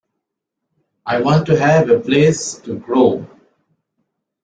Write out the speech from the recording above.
I want to have a place to grow.